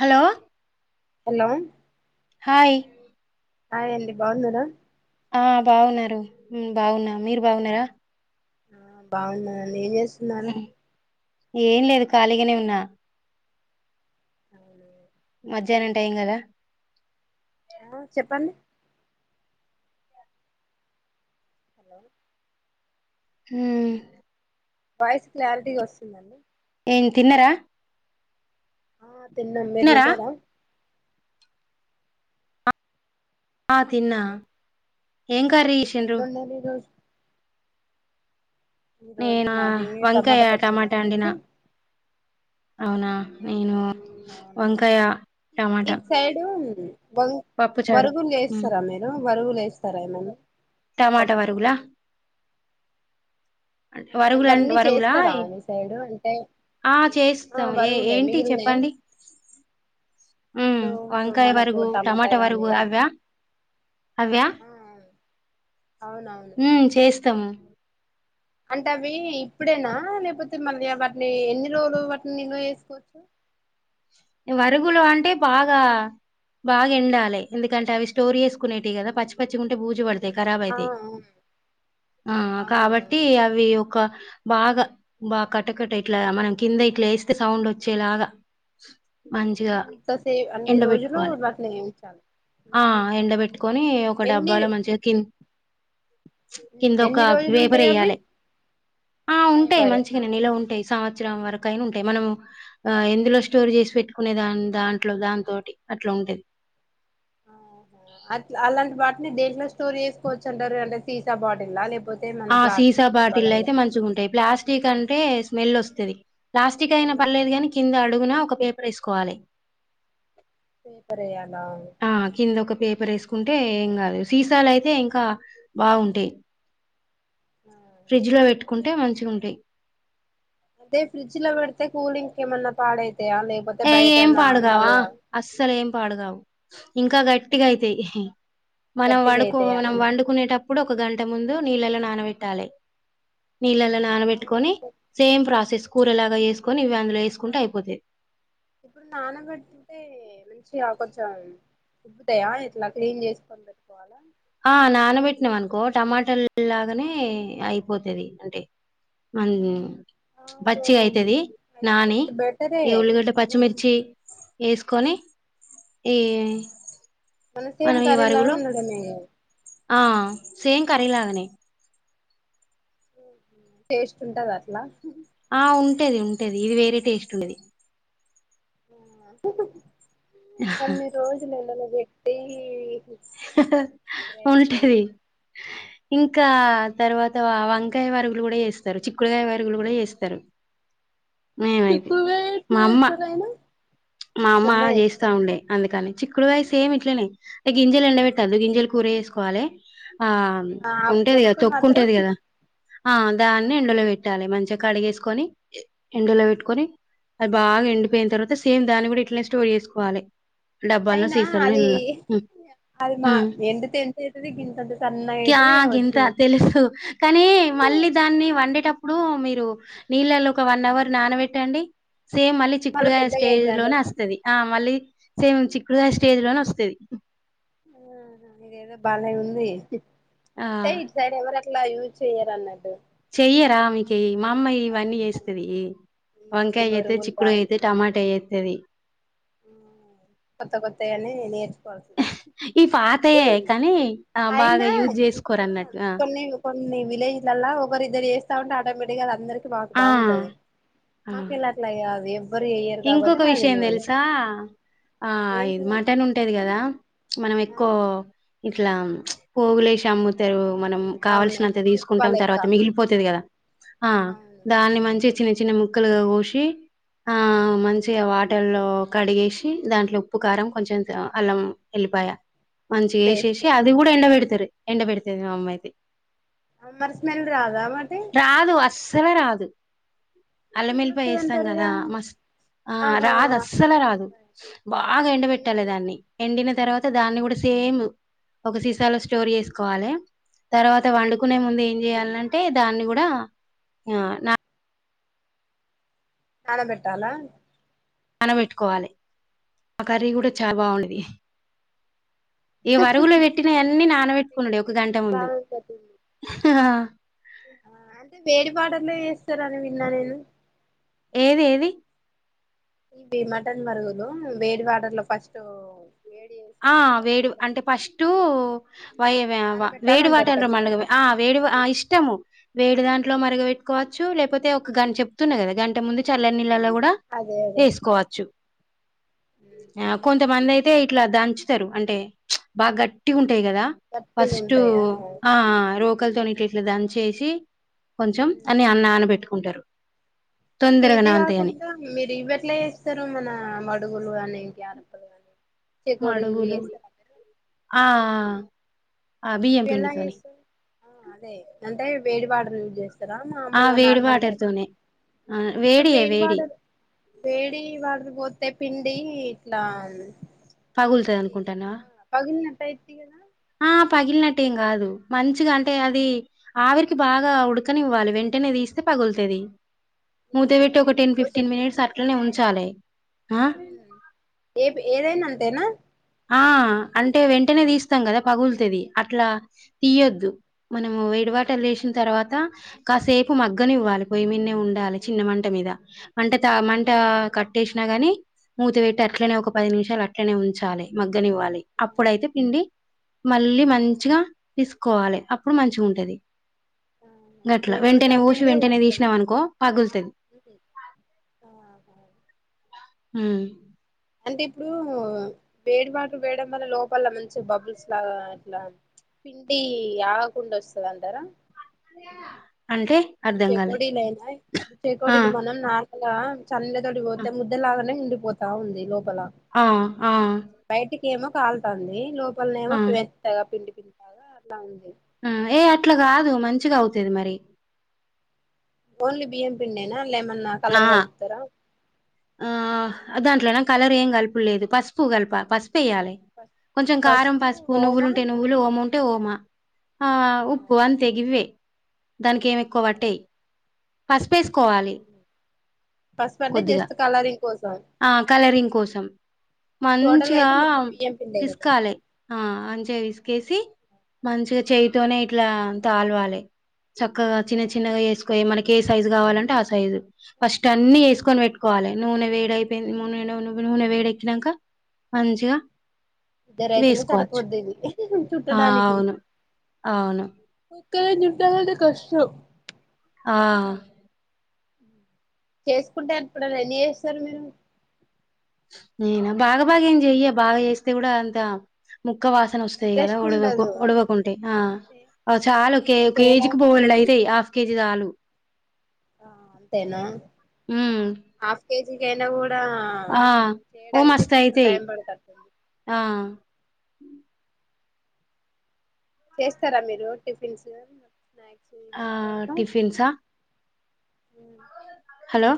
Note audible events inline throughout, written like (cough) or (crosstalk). Hello hello hi hi అండి బాగున్నారా ఆ బాగున్నారు ఉ బాగున్నా మీరు బాగున్నారా. బాగున్నానండి ఏం చేస్తున్నారు ఉమ్, ఏం లేదు ఖాళీగానే ఉన్నా అవును అది మధ్యాహ్నం టైం కదా ఆ చెప్పండి హలో ఉ వాయిస్ క్లారిటీగా వస్తుందండి యే తిన్నరా ఆ తిన్నాం మీరు తిన్నారా ఆ తిన్నా హలో ఏం కర్రీ చేసిండ్రు ఏమన్నారు ఈ రోజు ఈ రోజు నేనా మాది వంకాయ పచ్చడా టమాటా అండినా మీది అవునా నేను అవునా వంకాయ మీ టమాటా సైడు వంగ్ పప్పుచారు వరుగులు చేస్తారా మీరు వరుగులు వేస్తారా ఏమన్న టమాట వరుగులా ఆ వరగుల అండ్ ఇవన్నీ వరగుల చేస్తారా అయ్ మీ సైడు అంటే ఆ ఆ చేస్తాం ఏ వరుగులే ఏంటి మిగిలినయి చెప్పండి (inaudible) ఉ వంకాయ మనకు వరగు టమాటా వరగు గాని అవ్యా అవ్యా ఆ అవునవును త అంటే అవి ఇప్పుడేనా లేపోతే మళ్ళీ వాటిని ఎన్ని రోజులు వాటిని నిలువ చేసుకోచ్చు (inaudible) వరుగులు అంటే బాగా బాగ ఎండా లే ఎందుకంటే అవి స్టోర్ చేసుకునేటివి కదా పచ్చి పచ్చి తే బూజు పడతాయి ఖరాబ్ ఆ అయితాయి ఆ, ఆ ఆ కాబట్టి అవునవును అవి ఒక బాగా బాగా కట్టకట్ట ఇట్ల మనం కింద ఇట్ల ఎస్తే సౌండ్ వచ్చేలాగా మంచిగా అంత సే అన్ని రోజులు ఎండబెట్టుకోవాలి వాటిని ఉంచాల ఆ ఎండ పెట్టుకొని ఒక డబ్బాలో మంచిగా కీన్ ఉచ్ ఉమ్, కిందొక ఎన్ని రోజులు వేపర్ ఉంటాయి అవి ఎయ్యాలి ఆ ఉంటాయి పేపర్ మంచిగానే ఆహా నిల్వ ఉంటాయి సమస్ త్సరం వరకైనా ఉంటాయి మనం ఎందులో స్టోర్ చేసి పెట్ పెట్టుకునే దాన్ దాన్ దాంట్లో దాని తొటి అట్ల ఉంటది ఆహా అట్ల అలాంటి వాటిని దేంట్లో స్టోర్ చేసుకోవచ్చు అంటారు అంటే సీసా బాటిల్ లా లె ఆ సీసా బాటిల్ అయితే మంచిగా ఉంటాయి ప్లాస్టిక్ అంటే స్మెల్ వస్తది ప్లాస్టిక్ అయినా స్మెల్ పర్వాలేదు వస్తుంది కానీ కింద అడుగున ఒక పేపర్ వేసుకోవాలి పేపర్ ఎయ్యాల ఆ కింద ఒక పే పేపర్ వేసుకుంటే ఏం కాదు సీసాలు అయితే ఇంకా బాగుంటాయి ఆ. ఫ్రిడ్జ్లో పెట్టుకుంటే మంచి గా ఉంటాయి అదే ఫ్రిడ్జ్లో పెడితే కూలింగ్ కి ఏమన్నా పాడై ఏ ఏం పాడుగావా అస్సలు ఏం పాడుగావు ఇంకా గట్టిగా అయితాయి ఇషి మనం గట్టిగా వడుకో అయితాయి మనం అవును వండుకునేటప్ ఇప్పుడు ఒక గంట ముందు నీళ్ళలో నానబెట్టాలి నీళ్లలో ఆ నానబెట్టుకుని సేమ్ ప్రాసెస్ కూర లాగా చేసుకుని ఇవి అందులో వేసుకుంటే అయిపోతది ఇప్పుడు నానబేట్టింటే మంచిగా కొంచెం ఉబ్బుతాయ ఇట్ల క్లీన్ చేసుకొని పెట్టుకోవాలా ఆ నానబెట్టినావు అనుకో టమోటాల లాగానే అయిపోతది అంటే మన ఆహా బచ్చిగా అయితది అయితే ఇది నాని ఒకటి బెటరే ఈ ఉల్లిగడ్డ పచ్చిమిర్చి ఏసుకొని ఈ మనం సేమ్ ఈ కర్రీ లాగా వరుగులో ఉండడమే ఆ సేమ్ కర్రీ లాగానే టేస్ట్ ఉంటదా అట్లా ఆ! ఉంటది ఉంటది ఇది వేరే టేస్ట్ ఉన్నది ఆ అహహా అన్ని రోజులు ఎండలో పెట్టీ అహహా ఉంటది ఇంకా తర్వాత వా వంకాయ వారుగులు కూడా చేస్తారు చిక్కుడుకాయ వారుగులు కూడా చేస్తారు నేనైతే ఎక్కువ వేట్ మా అమ్మ చేస్తారాయన మా అమ్మ అమ్మాయి చేస్తా చేస్తదా ఉండే అందుకని చిక్ చిక్కుడుకాయ సేమ్ ఇట్లనే ఎ గింజలు ఎండబెట్టాలి గింజలు కూర చేసుకోవాలే ఆ ఆ ఉంటది కదా పొట్టు తొక్కు మాత్రం ఉంటది కదా ఆ దాన్నే ఆ ఎండలో పెట్టాలే మంచిగా కడిగేసుకోని ఎండలో పెట్టుకొని అది బాగా ఎండిపోయిన తర్వాత సేమ్ దాన్ని కూడా ఇట్లనే స్టోర్ చేసుకోవాలే డబ్బా అన్న అయినా సీసా అన్నా అది ఇల్లా అది మా ఉ ఎండితే ఎంత అయితది గింతంత సన్నగా క్యా అయితది గింత కావచ్చు తెలుసు కానీ మళ్లీ దాన్ని వండేటప్పుడు మీరు నీళ్లలో ఒక వన్ అవర్ నాన్న పెట్టండి సేమ్ మళ్లీ మళ్ళ చిక్కుడుకాయ పెద్దగా స్టేజ్ అయితదంటరు లోనే వస్తది ఆ మళ్లీ సేమ్ చిక్కుడుకాయ స్టేజ్ లోనే వస్తది ఆ ఇదేదో బానే ఉంది హు ఆ అంటే ఇటు సైడ్ ఎవరు ఇట్లా యూజ్ చెయ్యరు అన్నడు చెయ్యరా మికేయి మా అమ్మ యి ఇవన్నీ చేస్తుది ఈ వంకాయ అయితే బొరుగులు చిక్కుడు గాని అయితే టమాటో వేస్తది కొత్త కొత్తయి అని నేర్చుకోవల్ ఈ పాతయే కానీ ఆ బాగా అయినా యూజ్ చేసుకోరు ఇప్పుడు అన్నట్టు కొన్ని కొన్ని విలేజ్లలా ఒకరు ఇద్దరు చేస్తా ఉంటే ఆటోమేటిక్గా ఆది అందరికి మాకు ఆ ఆ బాగుంటది మాకు ఆ ఎలా అట్లా అది ఎవ్వరు వేయ్యరు కాబట్టి ఇంకొక మాకు విషయం తెలవదు తెలుసా ఆ అయిది మట్టన్ ఉంటది కదా మనం ఎక్కువ ఆ ఇట్లా పోగులేసి అమ్ముతారు మనం కావాల్సినంత అవునవును కుప్ప తీసుకుంటాం లెక్క తర్వాత మిగిపోతది కదా ఆ అవును దానీ మంచి చిన్న చిన్న ముక్కలుగా కోసి ఆ అ మంచిగా వాటల్లో కడిగేసి దాంట్లో ఉప్పు కారం కొంచెం అల్లం వుళ్ళిపాయా మంచిగా పేస్ట్ వేసేసి అది కూడా ఎండ పెడతారు ఎండబెడితది మా అమ్మయితే అ మారి స్మెల్ రాదా మారీ తేవా రాదు స్మెల్ అలమేలిపాయై వేస్తాం కదా వస్తదంటారుగా మస్ ఆ ఆహా రాదు అస్సలు రాదు బాగా ఎండ పెట్టాలే ఈగలు దాన్ని ఎండిన తర్వాత దాన్ని కూడా సేమ్ ఒక సీసాలో స్టోర్ చేసుకోవాలే తర్వాత ఆ వండుకునే ముందు ఏం చేయాలంటే దాన్ని కూడా నా నానా పెట్టాలా నానబెట్టుకోవాలే ఆ కర్రీ కూడా చాలా ఓకే బాగుండది ఈ వరువులో పెట్టిన అన్ని నానబెట్టుకున్నాడు ఒక గంట ఎక్స్పీరియన్స్ ముందు బాగుంటటుంది అంటే వేడిపాటల్లో చేస్తార అని విన్నా నేను ఇది ఏది ఇది మటన్ మరుగుదు వేడి వాటర్ లో ఫస్ట్ వేడి ఆ చేసుకున్న వేడి తర్వాతకి అంటే వాటిని ఫస్ట్ వ వేడి నానబెట్టాలంటారు వాటిన ఖచ్చితంగా మళగా ఆ వేడి ఆ ఇష్టము వేడి దాంట్లో మరగ ఓకే. పెట్టుకోవచ్చు లేకపోతే ఒక గంట చెప్తున్నా కదా గంట ముందు చల్లె నీళ్ళలో కూడా అదే అదే వేసుకోవచ్చు ఉహు. కొంతమంది అయితే ఇట్లా దంచుతారు అంటే బాగా గట్టి ఉంట టాయి కదా గట్టిగా ఫస్ట్ ఉంటాయా ఆ రోకలతో ఇట్ ఇట్లా దన్ చేసి కొంచెం అని అ నాన పెట్టుకుంటారు ఇంకేజీ కాకుండా మీరు ఇ బట్లా చేస్తారు మన మ (unintelligible) మడుగులు ఆ ఆ బియ్యం ఇవి ఎలా పిండితోని చేస్తారు ఆ అదే అంటే వేడి వాటర్ యూస్ చేస్తా ఆ! మామలుగా వేడి నార్మల్ బ వాటర్‌తోనే. ఆ! ఇప్పుడు వేడియే వేడి. వేడిపాడు వేడి వాళకి పోతే పిండి ఇట్లా పగులుతుంది ఇది అనుకుంటాన్నావా ఎట్లా పగిలినట్టు అయిద్ది కదా ఆ పగిలినట్టు ట్టు ఏం కాదు మంచిగా అంటే అది ఆవిరికి బాగా ఉడకనివ్వాలి వెంటనేది తీస్తే పగులుతది మూత నువ్వు పెట్టి ఒక పిండిని టెన్ ఫిఫ్టీన్ ఎక్కువసేపు మినిట్స్ అట్లనే ఉడకబెట్టాలా ఉంచలే ఏ ఏదైనా అంతేనా ఆ అంటే వెంటనే తీస్తాం కదా పగులుతది అట్లా తీయొద్దు మనము వేడిబటలు వేసిన తర్వాత కాసేపు మగ్గనివ్వాలి పొయ్యిమిన్నే ఉండాలి చిన్న మంట మీద అంటే త మంట అదే కట్టేసి గని మూత వెట్టి అట్లనే ఒక పది నిమిషాలు అట్లనే ఉంచాలి మగ్గనివ్వాలి అప్పుడైతే పిండి మళ్ళీ మంచిగా తీసుకోవాలే అప్పుడు మంచిగుంటది గట్ల మేము వెంటనే ఓషి చన్నీళ్ళే వెంటనే పోస్తాం తీసినవనుకో పగుల్తది ఆహా మ్మ్ అంటే ఇప్పుడు వేడి వాటర్ వేయడం వల్ల లోపల మంచి బబుల్స్ లాగా అట్లా పిండి ఆగకుండా వస్తదంటరా క్యా ఇప్పుడు చెకోడిలయినా ఇప్పుడు ఆ చెకోడీలు మనం నా నా చల్లగాలి ఆ పోతే ముద్ద లాగానే ఉండిపోతా ఉంది లో ఆ ఆ ఏమో కాల్తంది లోపల్నేమో ఆ. మెత్తగా పిండి పిండి లాగా అట్లా ఉంది ఉమ్ ఏ అట్లా గాదు మంచిగా అవుతది మరి ఓన్లీ బియ్యం పిండి ఏనా లెమన్ ఆ కలర్ కలుపుతర ఆ, దాంట్లోనా కలర్ ఏం కలపులేదు పసుపు కలిపా పసుపు పెయ్యాలే కొంచెం కారం పసుపు నువ్వులు ఉంటే నువ్వులు ఓమ్ ఉంటే ఓమా ఆ ఉప్పు అంతేగివ్వే దానికి ఏమి ఎక్కువ పట్టయ్ పసుపు వేసుకోవాలి పసుపు అంటే కొద్దిగా జస్ట్ కలరింగ్ కోసం ఆ కలరింగ్ కోసం టోటల్గా మంచిగా అయితే ఆ మొత్తం బియ్యం పిండే పిస్ కదా కాలే ఆ మంచిగా ఫిస్ కేసి మంచిగా చేయతోనే ఇట్లా తల్వాలే చక్కగా చిన్న చిన్నగా ఏసుకో మనకి ఏ సైజు కావాలంటే ఆ సైజు ఫస్ట్ అన్ని ఏసుకొని పెట్టుకోవాలి నూనె వేడై పోయింది నువ్వుల నూనె వేడెకినాక మంచిగా ఇద్దర అయితేనే వేసుకోవచ్చు సరిపోది ఇది ఆ చుట్టడానికి అవును అవును కాని చుట్టలంటే కష్టం ఆ చేసుకుంటే అప్పుడు ఎన్ని చేస్తారు మీరు నేనా బాగా బాగా ఏం చెయ బాగా చేస్తే కూడా అంత ము ముక్క వాసన వస్తాయి గదా ఇంట్రెస్ట్ వడవక ఉండదు వడవకుంటే ఆ అ చాలు కే అవును చేయడం కేజీకి బోలాడవుతాయ్ హాఫ్ కేజీ చాలు ఆ అంతేనా ఉమ్. హాఫ్ కేజి గైనా గూ డా ఆ ఓ చేయడానికే మస్త్ ఫులు అయితాయి టైం పడతాంది ఆ చేస్తారా మీరు టిఫిన్స్ స్నాక్ ఆ టిఫిన్స్ ఆ ఉమ్ హలో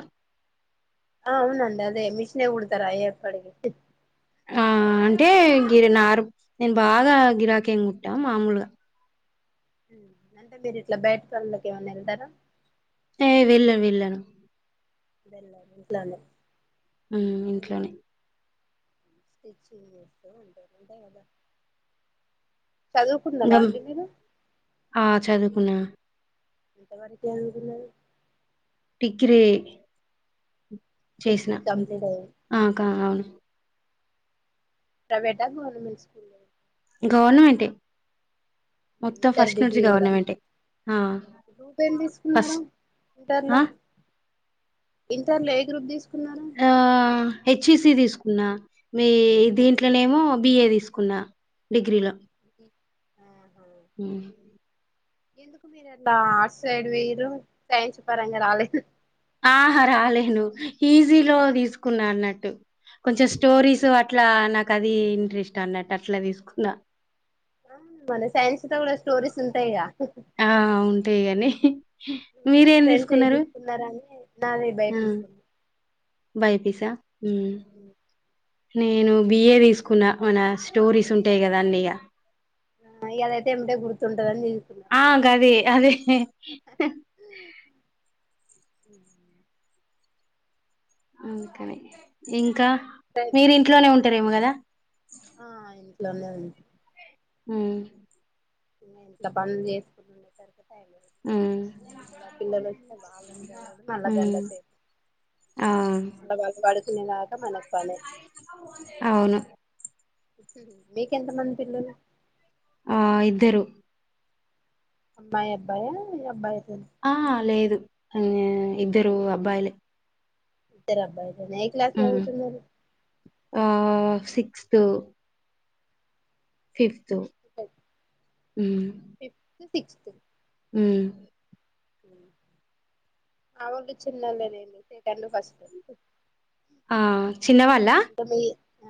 ఆ అవునండి అదే మిషినే కడతరా ఏప్పడికి ఆ అంటే గిరి నారు నేను బాగా గిరాకీ ఏం గుట్టా మామూలుగా ఉమ్ అంటే మీరు ఇట్లా బయట పనులోకి ఏమన్నా వెళ్తారా ఏ వెళ్ళను వెళ్ళను వెళ్ళారా ఇంట్లోనే ఊమ్ ఇంట్లోనే స్చ్ ఉంటంటాదా చదువుకున్నారా ఇంకా అండి మీరు ఆ చదువుకున్నా ఎంతవరకు చుదువుకున్నారు డిగ్రీ చేసిన డిగ్రీ అంతే కంప్లీట్ అయింది ఆకా అవును ప్రైవేట్ గవర్నమెంట్ స్కూల్ ఆ గవర్నమెంట్ ఏ మొత్తం ఇంటర్ ఫస్ట్ డిగ్రీ నుంచి కూడా గవర్నమెంట్ ఆ గ్రూప్ ఏం తీసుకున్నారు ఫస్ట్ ఆ ఇంటర్లో ఇంటర్లో ఏ గ్రూప్ తీసుకున్నావ్ ఆ హెచ్ఈసి తీసుకున్నా మీ హెచ్ఈసి దీంట్లోనేమో బిఏ తీసుకునా తీసుకున్న డిగ్రీలో ఆ ఉమ్ ఎందుకు మీరు అట్లా ఆర్ట్స్ సైడ్ పోయిన్రు సైన్స్ పరంగా రాలేదు ఆహా రాలేను ఈజీలో తీసుకున్నా అన్నట్టు కొంచెం స్టోరీస్ అట్లా నాకు అది ఇంట్రెస్ట్ అన్నట్టు అట్లా తీసుకున్నా ఆ మన సైన్స్ లో కూడా స్టోరీస్ ఉంటాయి గా ఆ ఉంటాయి కానీ మీ మీరేం ఫ్రెండ్స్ ఏది తీసుకున్నారు తీసుకున్నారని నాది ఆ భయపిస్తుంది బై పి సి ఆ ఉమ్ నేను బిఏ తీసుకున్న మన స్టోరీస్ ఉంటాయి కదా అన్నీ ఇగా ఆ ఇగ అదైతే ఎంబటే గుర్తు ఆ గదే అదే ఉహూ ఉమ్ ఇక్కన్నే ఇంకా మీరింట్లోనే ఉంటారేమో కదా ఆ ఇంట్లోనే ఉం ఉమ్ ఇగ ఇంట్ల పనులు చేసుకుంటుండే కదా హ్మ్. ఇలా పిల్లలు వస్తే బాగుండి వాళ్ళని చదవడం మళ్ళ గంట హ్మ్. సేపు ఆ! అ బాగుపడు అవును మీకెంత మంది పిల్లలు ఆ ఇద్దరు అమ్మాయి అబ్బాయా ఇగ అబ్బాయి ఆ లేదు ఇద్దరు అబ్బాయిలే ఇద్దరు అబ్బాయి లేనా ఏ క్లాసు హ్మ్ చదువుతున్నారు ఆ సిక్స్త్ సిక్స్త్ ఉమ్ ఫిఫ్త్ సిక్స్త్ ఉమ్ మా వాళ్లు చిన్నోలే అండి సెకండ్ ఫస్ట్ ఆ చిన్నవాళ్ల ఇంకా మీ ఆ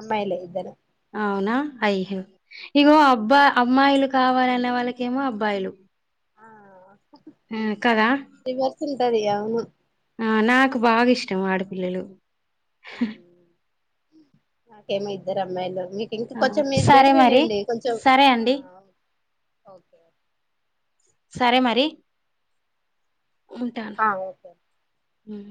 అమ్మాయిలే ఇద్దరు అవునా అయ్యో ఇగో అబ్బాయి అమ్మాయిలు కావాలనే వాళ్ళకేమో అబ్బాయిలు ఆ ఉమ్ కదా రివర్స్ ఉంటది ఏమో ఆ నాకు బాగా ఇష్టం ఆడపిల్లలు నాకేమో ఇద్దరు అమ్మాయిలు మీకు ఇంకా ఆ కొంచెం మీది సరే బెటరీ మరి లేండి కొంచెం సరే అండి ఓకే సరే మరి ఆ ఓకే ఉమ్